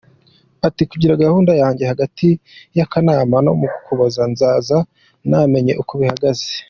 Ati Kuri gahunda yanjye hagati ya Kanama no mu Ukuboza Nzaba namenye uko bihagaze.